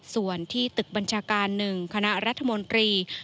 ส่วนที่ตึกบัญชาการ๑คณะรัฐมนตรี